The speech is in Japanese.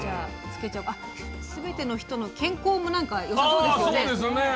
「すべての人に健康と福祉を」もよさそうですよね。